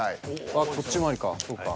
あっこっち回りかそうか。